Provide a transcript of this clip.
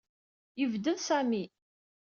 Yebded Sami.